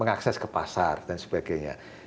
mengakses ke pasar dan sebagainya